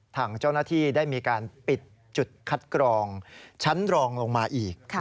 ทางเจ้าหน้าที่ได้มีการปิดจุดคัดกรองชั้นรองลงมาอีก